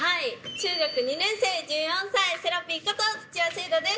中学２年生１４歳せらぴーこと土屋惺来です。